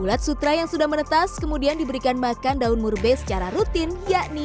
ulat sutra yang sudah menetas kemudian diberikan makan daun murbe secara rutin yakni